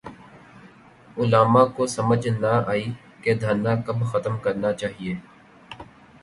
علامہ کو سمجھ نہ آئی کہ دھرنا کب ختم کرنا چاہیے۔